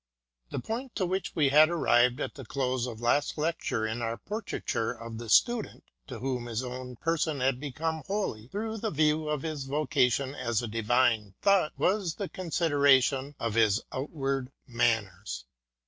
THE point to which we had arrived at the close of last lec ture in our portraiture of the Student to whom his own person had become holy through the view of his vocation as a Divine Thought, was the consideration of his outward manners.